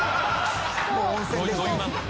「もう温泉でした」